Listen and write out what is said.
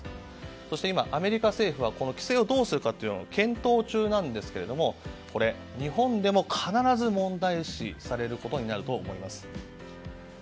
そして今、アメリカ政府は規制をどうするかというのを検討中なんですが、日本でも必ず問題視されることになると思います。